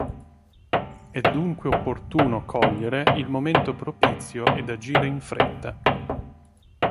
È dunque opportuno cogliere il momento propizio ed agire in fretta.